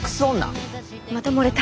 また漏れた。